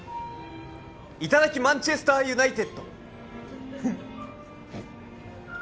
いただきマンチェスターユナイテッド